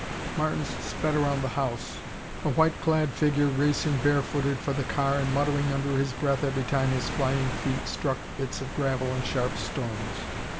Martins sped around the house, a white clad figure racing bare footed for the car and muttering under his breath every time his flying feet struck bits of gravel and sharp stones.